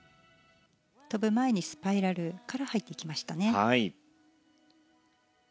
跳ぶ前にスパイラルから入っていきましたね。